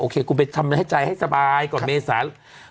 โอเคกูไปทำใจให้สบายก่อนเมษา